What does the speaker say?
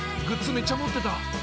めっちゃ持ってた。